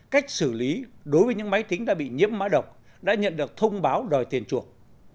cách xử lý đối với những máy tính đã bị nhiễm mã độc đã nhận được thông báo đòi tiền chuộc